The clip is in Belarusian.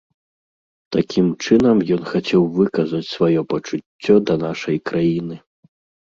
Такім чынам ён хацеў выказаць сваё пачуццё да нашай краіны.